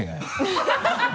ハハハ